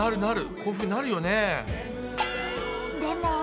こういうふうになるよね。